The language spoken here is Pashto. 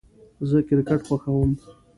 زه کرکټ خوښوم